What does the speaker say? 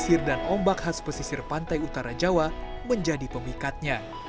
pasir dan ombak khas pesisir pantai utara jawa menjadi pemikatnya